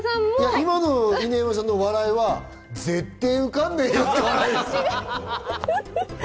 今の犬山さんの笑いは絶対、受かんねえよって。